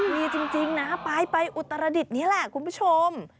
มีจริงนะไปอุตรดิษฐ์นี่แหละคุณผู้ชม